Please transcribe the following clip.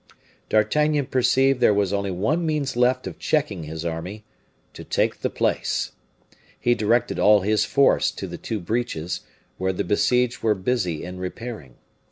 D'Artagnan perceived there was only one means left of checking his army to take the place. He directed all his force to the two breaches, where the besieged were busy in repairing.